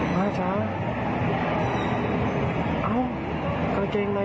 ตำรวจใจของมนุษย์ป้าสัมผัสเลยได้